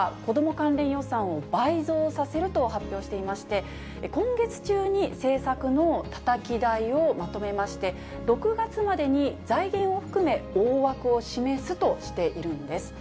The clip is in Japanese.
関連予算を倍増すると発表していまして、今月中に政策のたたき台をまとめまして、６月までに財源を含め、大枠を示すとしているんです。